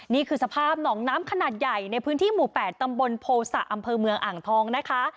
นี่คือสภาพหนองน้ำขนาดใหญ่ในพื้นที่หมู่๘ตำบลโภษะอำเภอเมืองอ่างทองนะคะ